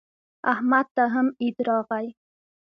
احمد ته هم عید راغی.